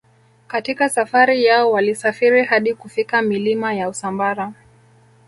Katika safari yao walisafiri hadi kufika milima ya Usambara